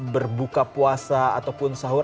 berbuka puasa ataupun sahur